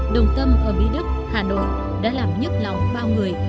đồng tâm ở mỹ đức hà nội đã làm nhức lóng bao người